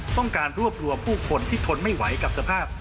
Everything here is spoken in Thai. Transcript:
ต้องการรวบรวมผู้คนที่ทนไม่ไหวกับสภาพ